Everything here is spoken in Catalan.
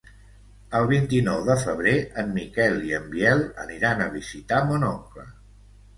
El vint-i-nou de febrer en Miquel i en Biel aniran a visitar mon oncle.